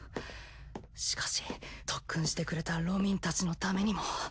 しかし特訓してくれたロミンたちのためにも。